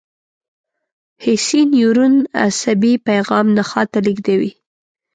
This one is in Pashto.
حسي نیورون عصبي پیغام نخاع ته لېږدوي.